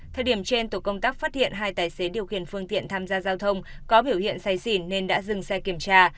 thời điểm trên tổ công tác phát hiện hai tài xế điều khiển phương tiện tham gia giao thông có biểu hiện say xỉn nên đã dừng xe kiểm tra